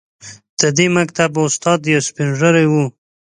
د دې مکتب استاد یو سپین ږیری و.